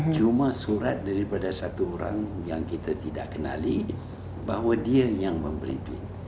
cuma surat daripada satu orang yang kita tidak kenali bahwa dia yang membeli duit